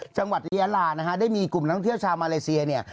จังหวัดลานะคะได้มีกลุ่มท่องเที่ยวชาวมาเลเซีย